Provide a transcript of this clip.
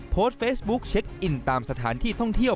โพสต์เฟซบุ๊คเช็คอินตามสถานที่ท่องเที่ยว